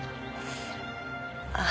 あ。